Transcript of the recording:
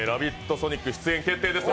ソニック出演決定ですよ。